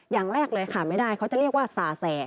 อย่างแรกเลยค่ะไม่ได้เขาจะเรียกว่าสาแส